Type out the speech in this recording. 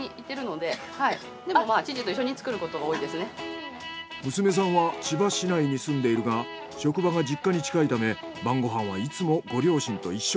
でもまぁ娘さんは千葉市内に住んでいるが職場が実家に近いため晩ご飯はいつもご両親と一緒。